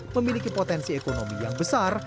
memiliki potensi ekonomi yang besar